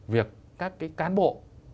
việc các cái cán bộ